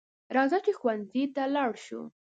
راځه چې ښوونځي ته لاړ شو